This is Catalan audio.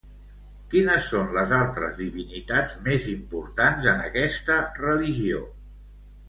Quines són les altres divinitats més importants en aquesta religió?